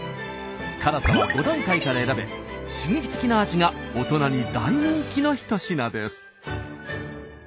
辛さは５段階から選べ刺激的な味が大人に大人気の一品です。